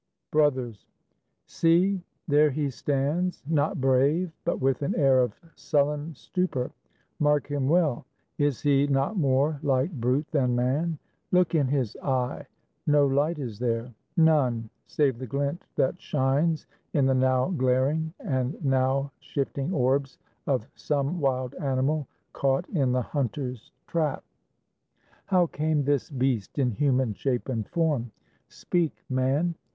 BROTHERS See! There he stands; not brave, but with an air Of sullen stupor. Mark him well! Is he Not more like brute than man? Look in his eye! No light is there; none, save the glint that shines In the now glaring, and now shifting orbs Of some wild animal caught in the hunter's trap. How came this beast in human shape and form? Speak, man!